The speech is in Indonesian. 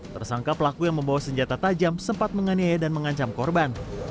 tersangka pelaku yang membawa senjata tajam sempat menganiaya dan mengancam korban